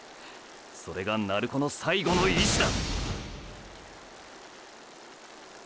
それが鳴子の最後の意思だ！！